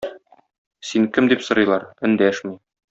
Син кем? - дип сорыйлар, эндәшми.